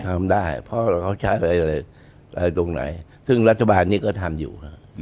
ทำได้เพราะเขาใช้อะไรตรงไหนซึ่งรัฐบาลนี้ก็ทำอยู่